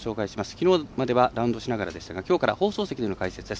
きのうまではラウンドしながらでしたがきょうから放送席からの解説です。